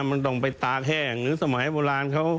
มันต้องไปตากแห้งหรือสมัยโบราณเขา